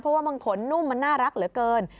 เพราะว่ามันขนนุ่มมันน่ารักเหลือเกิน